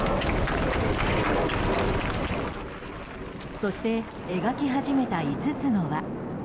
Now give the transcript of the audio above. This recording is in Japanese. そして、描き始めた５つの輪。